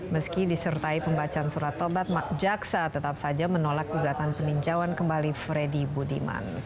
meski disertai pembacaan surat tobat jaksa tetap saja menolak gugatan peninjauan kembali freddy budiman